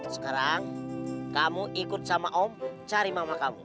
sekarang kamu ikut sama om cari mama kamu